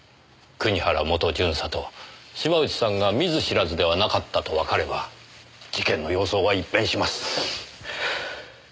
国原元巡査と島内さんが見ず知らずではなかったとわかれば事件の様相は一変します。